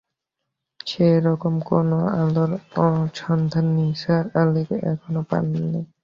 সেরকম কোনো আলোর সন্ধান নিসার আলি এখনো পান নি।